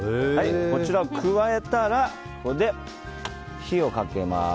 こちらを加えたらこれで火をかけます。